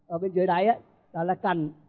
ở bên dưới đáy đó là cằn